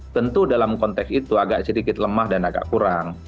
tentu dalam konteks itu agak sedikit lemah dan agak kurang